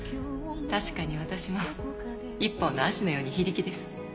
確かに私も一本の葦のように非力です。